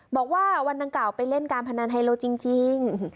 บอกว่าวันดังกล่าวไปเล่นการพนันไฮโลจริง